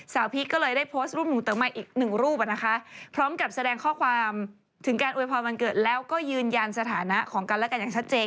พีคก็เลยได้โพสต์รูปหนูเติมใหม่อีกหนึ่งรูปนะคะพร้อมกับแสดงข้อความถึงการอวยพรวันเกิดแล้วก็ยืนยันสถานะของกันและกันอย่างชัดเจน